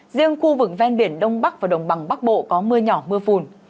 riêng khu vực ven biển đông bắc và đồng bằng bắc bộ có mưa nhỏ mưa phùn